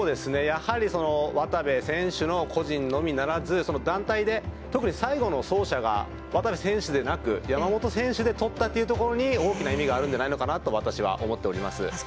やはり渡部選手の個人のみならず団体で、特に最後の走者が渡部選手でなく山本選手でとったというところに大きな意味があるんじゃないかと私は思っております。